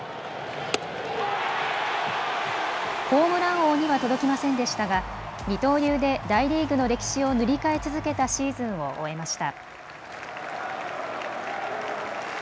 ホームラン王には届きませんでしたが二刀流で大リーグの歴史を塗り替え続けたシーズンを終えました。